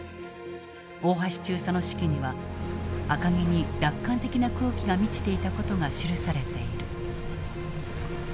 大橋中佐の手記には赤城に楽観的な空気が満ちていたことが記されている。